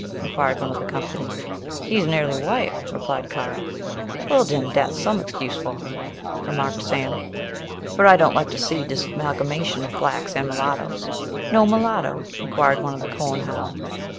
inquired one of the company. "He's nearly white," replied Currer. "Well den, dat's some exchuse for her," remarked Sam; "for I don't like to see dis malgemation of blacks and mulattoes." "No mulatto?" inquired one of the corn how.